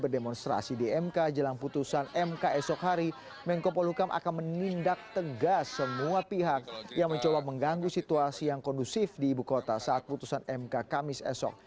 demonstrasi di mk jelang putusan mk esok hari menko polukam akan menindak tegas semua pihak yang mencoba mengganggu situasi yang kondusif di ibu kota saat putusan mk kamis esok